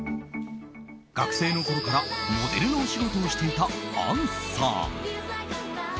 学生のころからモデルのお仕事をしていた杏さん。